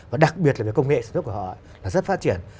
và đặc biệt là công nghệ sản xuất của họ là rất phát triển